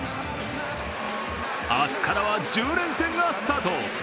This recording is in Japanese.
明日からは１０連戦がスタート。